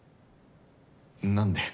何で？